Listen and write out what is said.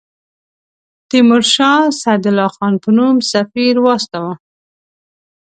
تیمورشاه سعدالله خان په نوم سفیر واستاوه.